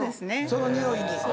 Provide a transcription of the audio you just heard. そのにおいに。